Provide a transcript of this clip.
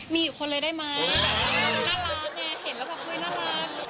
มีอีกคนเลยได้มั้ยน่ารักแนนว่ามี้น่ารัก